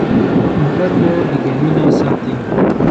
موټر مو د ګرمي نه ساتي.